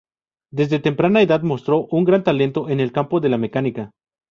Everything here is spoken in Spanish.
Desde temprana edad mostró un gran talento en el campo de la mecánica.